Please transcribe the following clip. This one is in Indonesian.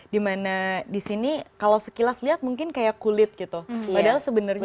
dimana disini kalau sekilas lihat mungkin kayak kulit gitu padahal sebenarnya